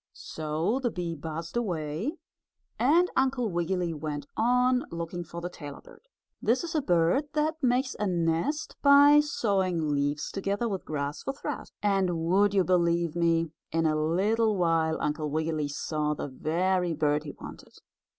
So the bee buzzed away and Uncle Wiggily went on looking for the tailor bird. This is a bird that makes a nest by sewing leaves together with grass for thread. And would you believe me, in a little while Uncle Wiggily saw the very bird he wanted.